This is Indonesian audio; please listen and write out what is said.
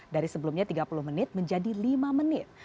dari sebelumnya tiga puluh menit menjadi lima menit